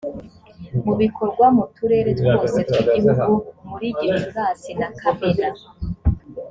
mu bikorwa mu turere twose tw igihugu muri gicurasi na kamena